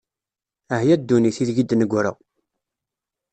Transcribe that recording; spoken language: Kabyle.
Ah ya ddunit, ideg i d-negra!